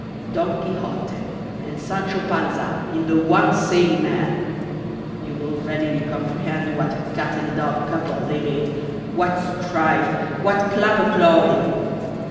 Don Quixote and Sancho Panza in the one same man! you will readily comprehend what a cat and dog couple they made! what strife! what clapper clawing!